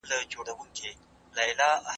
زه د انرژۍ سپما کوم ترڅو چاپیریال پاک پاتې شي.